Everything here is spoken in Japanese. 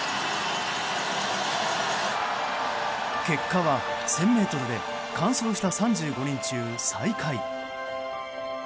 結果は１０００ｍで完走した３５人中最下位。